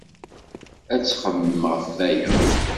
Ad txemmem ɣef waya.